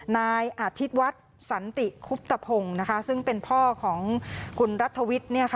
นายอาทิตย์วัฒน์สันติคุบตะพงศ์ซึ่งเป็นพ่อของคุณรัฐวิทย์